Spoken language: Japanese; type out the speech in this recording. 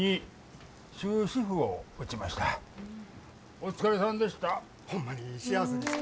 お疲れさんでした。